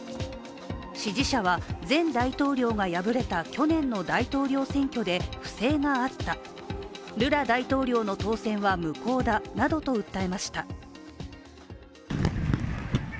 支持者は、前大統領が敗れた去年の大統領選挙で不正があった、ルラ大統領の当選は無効だなどと訴えました。